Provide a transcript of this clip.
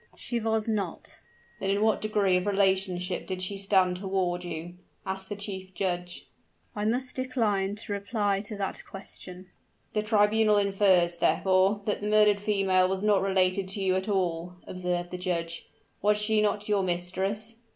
"She was not." "Then in what degree of relationship did she stand toward you?" asked the chief judge. "I must decline to reply to that question." "The tribunal infers, therefore, that the murdered female was not related to you at all," observed the judge. "Was she not your mistress?"